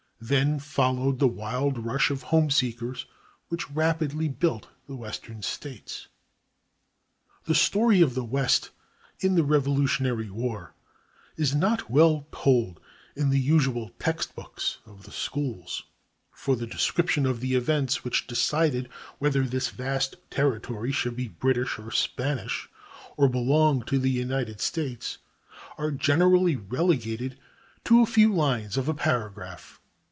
Then followed the wild rush of homeseekers which rapidly built the Western States. The story of the West in the Revolutionary War is not well told in the usual text books of the schools, for the description of the events which decided whether this vast territory should be British or Spanish or belong to the United States are generally relegated to a few lines of a paragraph.